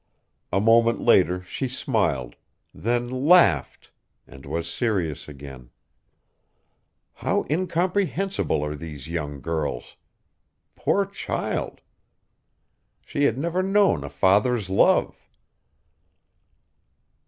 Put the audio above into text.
A moment later she smiled, then laughed, and was serious again. How incomprehensible are these young girls! Poor child! she had never known a father's love.